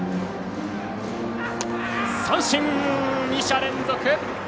三振、２者連続。